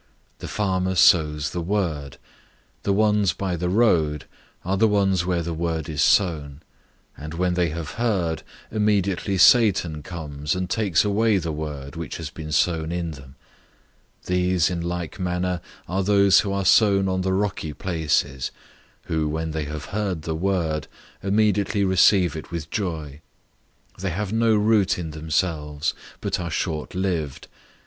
004:014 The farmer sows the word. 004:015 The ones by the road are the ones where the word is sown; and when they have heard, immediately Satan comes, and takes away the word which has been sown in them. 004:016 These in like manner are those who are sown on the rocky places, who, when they have heard the word, immediately receive it with joy. 004:017 They have no root in themselves, but are short lived.